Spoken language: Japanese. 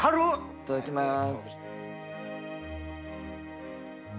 いただきます。